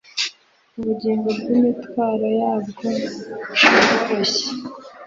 Ubugingo bw'imitwaro yabwo bworoshe